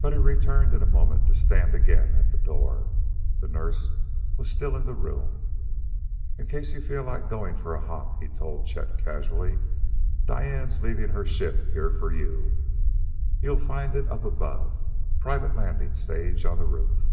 But he returned in a moment to stand again at the door the nurse was still in the room. "In case you feel like going for a hop," he told Chet casually, "Diane's leaving her ship here for you. You'll find it up above private landing stage on the roof."